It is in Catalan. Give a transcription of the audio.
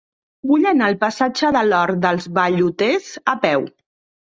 Vull anar al passatge de l'Hort dels Velluters a peu.